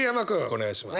お願いします。